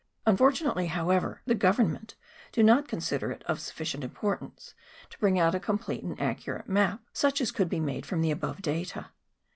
Unfortunately, however, the Government do not con sider it of sufficient importance to bring out a complete and accurate map, such as could be made from the above data.